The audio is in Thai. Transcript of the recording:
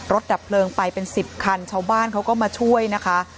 ดับเพลิงไปเป็น๑๐คันชาวบ้านเขาก็มาช่วยนะคะ